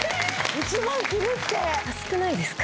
１万切るって安くないですか？